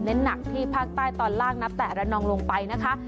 หนักที่ภาคใต้ตอนล่างนับแต่ระนองลงไปนะคะ